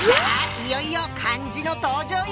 いよいよ漢字の登場よ！